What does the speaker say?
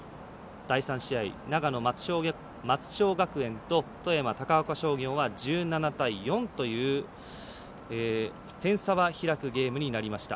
第３試合、長野の松商学園と富山、高岡商業は１７対４という点差は開くゲームになりました。